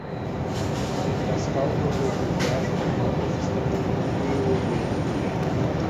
Entre as causas das desgraças humanas estão o orgulho e o egoísmo